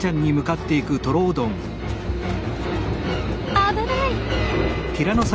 危ない！